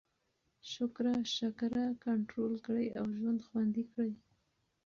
شکره کنټرول کړئ او ژوند خوندي کړئ.